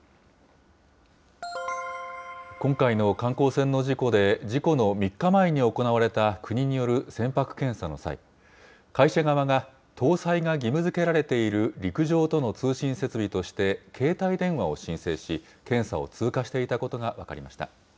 今回の観光船の事故で、事故の３日前に行われた国による船舶検査の際、会社側が搭載が義務づけられている陸上との通信設備として、携帯電話を申請し、検査を通過していたことが分かりました。